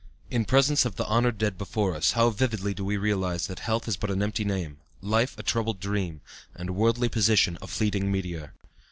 "In presence of the honored dead before us, how vividly do we realize that health is but an empty name, life a troubled dream, and worldly position a fleeting meteor.